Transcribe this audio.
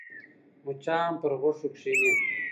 مچان پر غوښو کښېني